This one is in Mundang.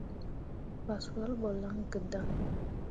Fah swal ɓo lan gǝdaŋ.